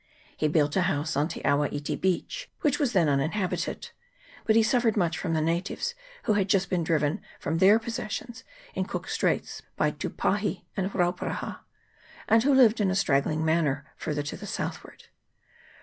He built a house on Te awa iti beach, which was then uninhabited ; but he suffered much from the natives, who had just been driven from their possessions in Cook's Straits by Tupahi and Rauparaha, and who lived in a straggling manner farther to the south ward.